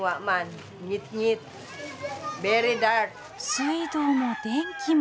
水道も電気も。